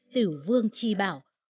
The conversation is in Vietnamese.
tử vương tri bảo